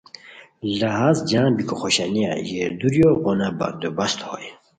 لہاز جم بیکو خوشانیہ ژیر دُوریو غون بندوبست ہوئے